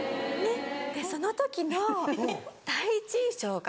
でその時の第一印象が。